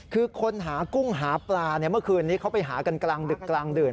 คือคนหากุ้งหาปลาเราเป็นไปหากันกลางเดิน